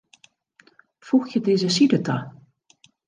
Foegje dizze side ta.